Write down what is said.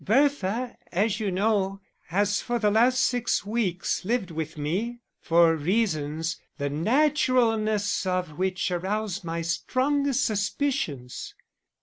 Bertha, as you know, has for the last six weeks lived with me, for reasons the naturalness of which aroused my strongest suspicions.